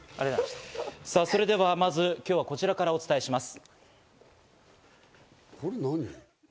さぁそれではまず今日はこちらからお伝えします。